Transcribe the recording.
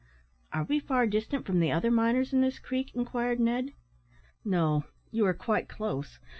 '" "Are we far distant from the other miners in this creek?" inquired Ned. "No; you are quite close.